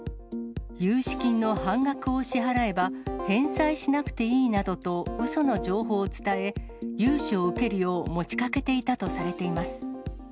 融資金の半額を支払えば、返済しなくていいなどとうその情報を伝え、融資を受けるよう持ちかけていたとされています。